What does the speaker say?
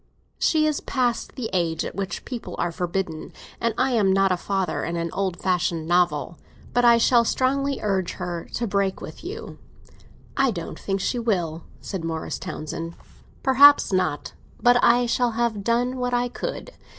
"She is past the age at which people are forbidden, and I am not a father in an old fashioned novel. But I shall strongly urge her to break with you." "I don't think she will," said Morris Townsend. "Perhaps not. But I shall have done what I could."